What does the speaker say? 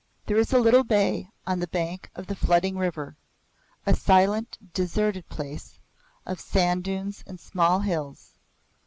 There is a little bay on the bank of the flooding river a silent, deserted place of sanddunes and small bills.